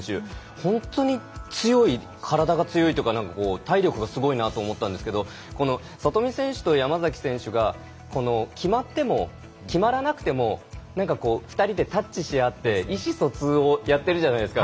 本当に強い体が強いというか体力がすごいなと思ったんですけどこの里見選手と山崎選手が決まっても決まらなくても２人でタッチし合って意思疎通をやってるじゃないですか。